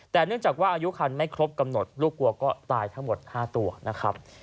แต่เนื่องจากว่าอายุคันไม่ครบกำหนดลูกวัวก็ตายทั้งหมด๕ตัวนะครับ